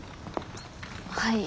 はい。